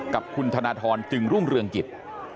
กับคุณธนทรจึงรุ่งเรืองกิจ